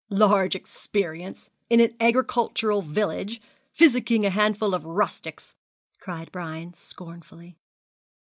'Large experience! in an agricultural village physicking a handful of rustics!' cried Brian, scornfully.